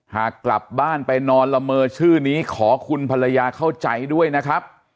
หากกลับบ้านไปนอนละเมอชื่อนี้ขอคุณภรรยาเข้าใจด้วยนะครับ